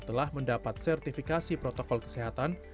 telah mendapat sertifikasi protokol kesehatan